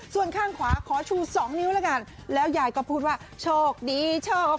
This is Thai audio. ส่วนข้างขวาขอชู๒นิ้วแล้วยายก็พูดว่าโชคดี